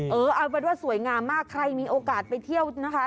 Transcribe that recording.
เอาเป็นว่าสวยงามมากใครมีโอกาสไปเที่ยวนะคะ